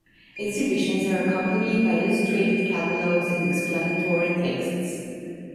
Exhibitions are accompanied by illustrated catalogues and explanatory texts.